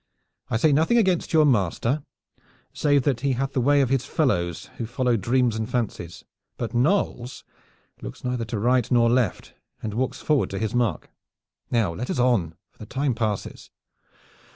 I say nothing against your master save that he hath the way of his fellows who follow dreams and fancies. But Knolles looks neither to right nor left and walks forward to his mark. Now, let us on, for the time passes."